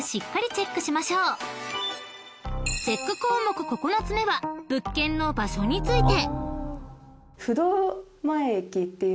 ［チェック項目９つ目は物件の場所について］